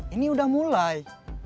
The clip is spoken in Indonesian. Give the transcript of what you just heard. ini udah mulai